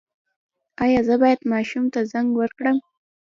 ایا زه باید ماشوم ته زنک ورکړم؟